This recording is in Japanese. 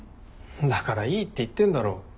だからいいって言ってんだろ。